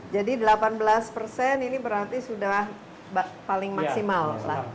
jadi delapan belas persen ini berarti sudah paling maksimal